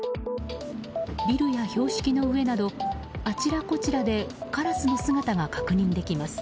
ビルや標識の上などあちらこちらでカラスの姿が確認できます。